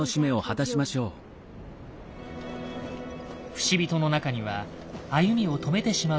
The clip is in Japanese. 不死人の中には歩みを止めてしまう者も。